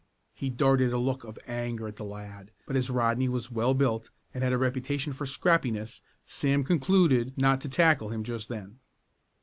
He darted a look of anger at the lad, but as Rodney was well built and had a reputation for "scrappiness" Sam concluded not to tackle him just then.